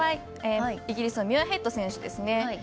イギリスのミュアヘッド選手ですね。